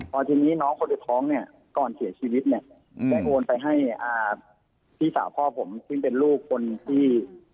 พอทีนี้น้องคนอื่นท้องเนี่ยก่อนเสียชีวิตเนี่ยได้โอนไปให้พี่สาวพ่อผมซึ่งเป็นลูกคนที่